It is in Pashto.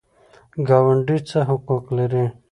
ګاونډي څه حقوق لري؟